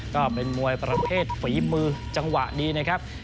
ก็เป็นมวยประเภทฝีมือจังหวะดีนะครับ